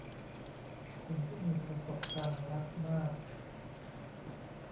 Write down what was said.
คนที่มีประสบการณ์รักมาก